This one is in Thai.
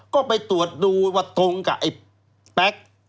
ก็ไปตรวจดูว่าตรงกับไอ้แป๊ก